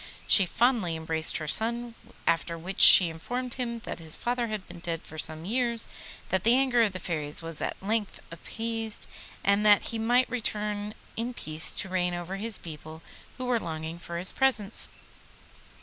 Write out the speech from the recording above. She fondly embraced her son, after which she informed him that his father had been dead for some years, that the anger of the Fairies was at length appeased, and that he might return in peace to reign over his people, who were longing for his presence.